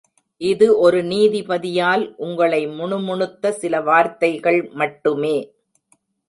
இது ஒரு நீதிபதியால் உங்களை முணுமுணுத்த சில வார்த்தைகள் மட்டுமே.